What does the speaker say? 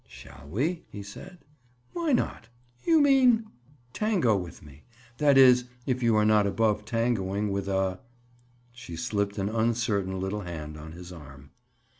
"Shall we?" he said. "Why not?" "You mean—?" "Tango with me? That is, if you are not above tangoing with a—" She slipped an uncertain little hand on his arm.